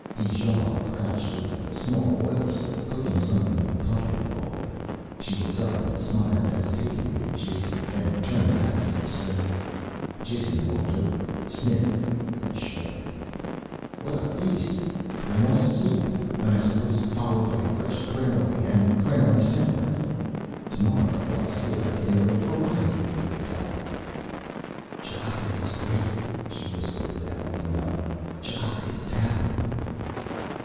Ijale crouched over the small oil stove cooking something in a pottery bowl. She looked up and smiled hesitatingly at Jason, then turned back to the stove. Jason walked over, sniffed and shuddered. "What a feast! Krenoj soup, and I suppose followed by fresh krenoj and krenoj salad. Tomorrow I see about getting a little variety into the diet." "Ch'aka is great," she whispered without looking up. "Ch'aka is powerful...."